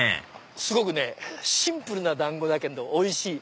すごくシンプルな団子だけどおいしい。